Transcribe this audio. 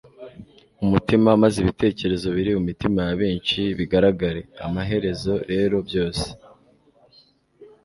umutima maze ibitekerezo biri mu mitima ya benshi bigaragare. amaherezo rero, byose